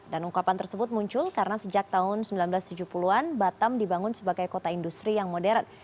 dan ungkapan tersebut muncul karena sejak tahun seribu sembilan ratus tujuh puluh an batam dibangun sebagai kota industri yang moderat